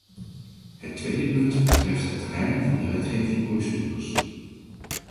Het tweede punt betreft het terrein van de wetgevende procedures.